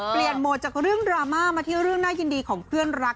เปลี่ยนโมดจากเรื่องดราม่ามาที่ร่งน่ายินดีของพื่นรัก